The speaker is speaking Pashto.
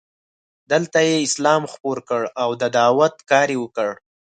دلته یې اسلام خپور کړ او د دعوت کار یې وکړ.